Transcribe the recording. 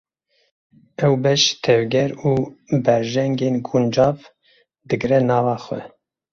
Ev beş, tevger û berjengên guncav digire nava xwe.